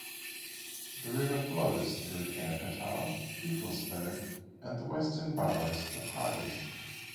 The river flows through Ennepetal, Gevelsberg and the western boroughs of Hagen.